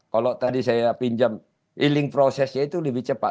kalau tadi saya pinjam healing prosesnya itu lebih cepat